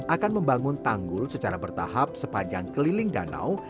akan membangun tanggul secara bertahap sepanjang keliling danau sekitar dua puluh empat km